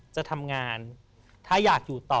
จะทำงานถ้าอยากอยู่ต่อ